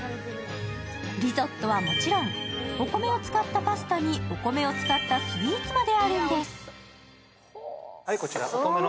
リゾットはもちろん、お米を使ったパスタに、お米を使ったスイーツまであるんです。